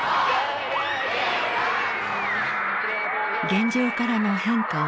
現状からの変化を望む